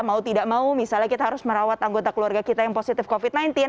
mau tidak mau misalnya kita harus merawat anggota keluarga kita yang positif covid sembilan belas